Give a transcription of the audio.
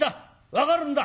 分かるんだ。